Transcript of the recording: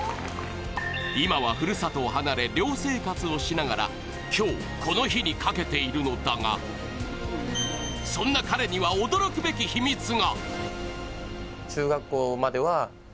今はふるさとを離れ、寮生活をしながら今日この日にかけているのだがそんな彼には驚くべき秘密が。